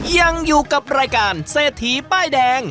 ยังอยู่กับรายการเศรษฐีป้ายแดง